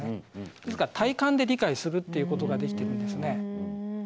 ですから体感で理解するっていうことができてるんですね。